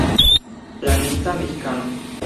Pianista mexicano.